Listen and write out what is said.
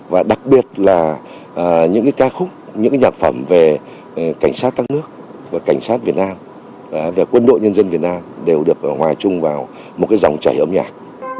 và đặc biệt là những ca khúc những nhạc phẩm về cảnh sát các nước về cảnh sát việt nam về quân đội nhân dân việt nam đều được hòa chung vào một dòng chảy âm nhạc